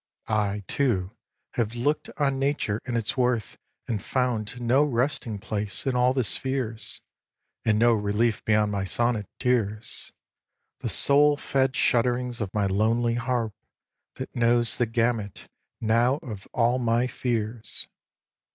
I, too, have look'd on Nature in its worth And found no resting place in all the spheres, And no relief beyond my sonnet tears, The soul fed shudderings of my lonely harp That knows the gamut now of all my fears.